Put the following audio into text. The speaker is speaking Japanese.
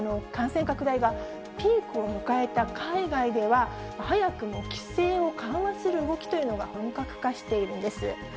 感染拡大がピークを迎えた海外では、早くも規制を緩和する動きというのが本格化しているんです。